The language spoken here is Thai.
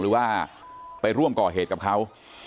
หรือว่าไปร่วมก่อเหตุกับเขา